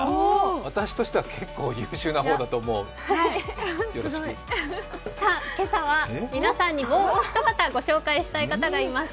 私としては結構、優秀な方だと思う今朝は皆さんにもうお一方、ご紹介した方がいます。